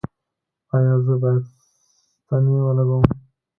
ایا زه باید ستنې ولګوم؟